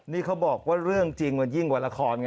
นี่เขาบอกว่าเรื่องจริงมันยิ่งกว่าละครไง